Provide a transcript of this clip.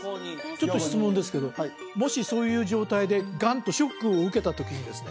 ちょっと質問ですけどもしそういう状態でガンとショックを受けた時にですね